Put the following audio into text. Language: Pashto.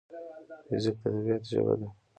فزیک د طبیعت ژبه ده.